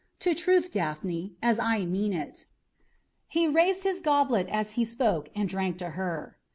To truth, Daphne, as I mean it." He raised his goblet as he spoke and drank to her.